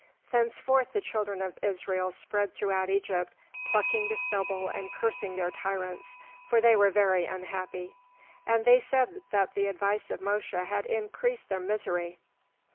Thenceforth the children of Israel spread throughout Egypt, plucking the stubble and cursing their tyrants; for they were very unhappy, and they said that the advice of Mosche had increased their misery.